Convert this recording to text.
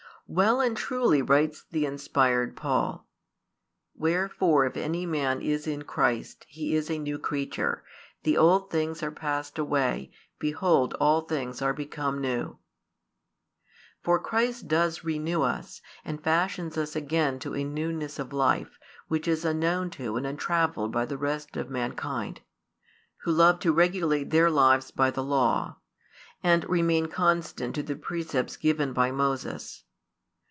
Well and truly writes the inspired Paul: Wherefore if any man is in Christ, he is a new creature: the old things are passed away; behold all things are become new. For Christ does renew us, and fashions us again to a newness of life which is unknown to and untravelled by the rest of mankind, who love to regulate their lives by the Law, and remain constant to the precepts given by Moses.